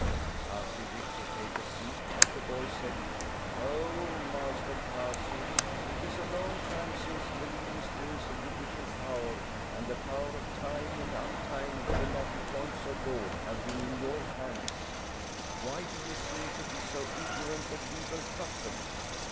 The Kazi wished to take a seat, but the boy said :" Ho, Master Kazi! It is a long time since the leading strings of judicial power, and the power of tying and untyfng the knotty points of law, have been in your hands; why do you seem to be so ignorant of legal customs?